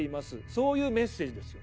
「そういうメッセージですよ」。